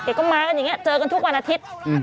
ก็มากันอย่างนี้เจอกันทุกวันอาทิตย์